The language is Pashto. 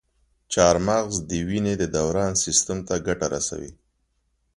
چارمغز د وینې د دوران سیستم ته ګټه رسوي.